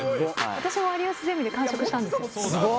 私も有吉ゼミで完食したんですごい。